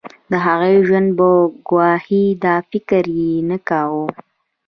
د هغوی ژوند به ګواښي دا فکر به یې نه کاوه.